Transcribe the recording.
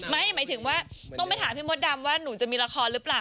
หมายถึงว่าต้องไปถามพี่มดดำว่าหนูจะมีละครหรือเปล่า